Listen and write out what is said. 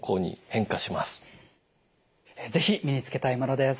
是非身につけたいものです。